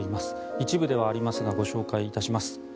一部ではありますがご紹介いたします。